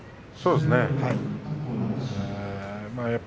そうですね。